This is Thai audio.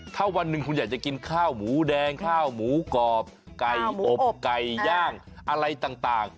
ถ้าวันหนึ่งคุณอยากจะกินข้าวหมูแดงข้าวหมูกรอบไก่อบไก่ย่างอะไรต่าง